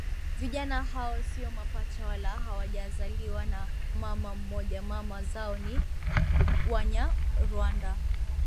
Vijana hao sio mapacha wala hawajazaliwa na mama mmoja mama zao ni wanyarwanda